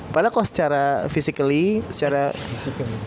padahal kok secara physically secara fisik secara pengalaman tim gue